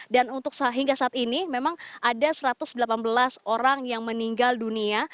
dan untuk hingga saat ini memang ada satu ratus delapan belas orang yang meninggal dunia